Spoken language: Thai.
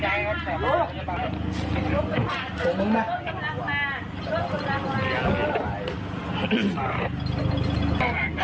เนี่ยเก้าคอย